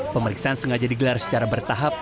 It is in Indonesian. pemeriksaan sengaja digelar secara bertahap